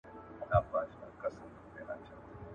د ډېر گران پوښتنه يا اول کېږي يا اخير.